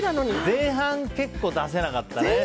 前半結構出せなかったね。